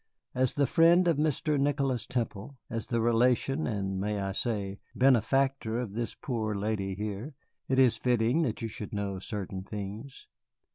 As the friend of Mr. Nicholas Temple, as the relation and (may I say?) benefactor of this poor lady here, it is fitting that you should know certain things.